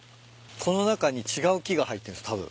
この中に違う木が入ってるんですたぶん。